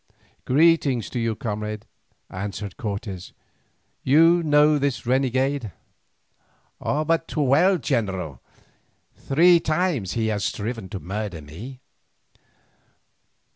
"Greeting to you, comrade," answered Cortes. "You know this renegade?" "But too well, general. Three times he has striven to murder me."